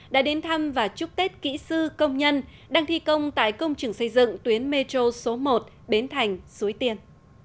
đã đến thăm và chúc tết kỹ sư công nhân đang thi công tại công trường xây dựng tuyến metro số một bến thành suối tiên